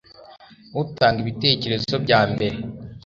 Utanga ibitekerezo byambere